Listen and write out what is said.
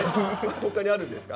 他にあるんですか？